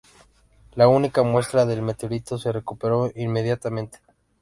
La única muestra del meteorito se recuperó inmediatamente.